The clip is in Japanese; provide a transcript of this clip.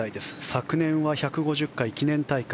昨年は１５０回記念大会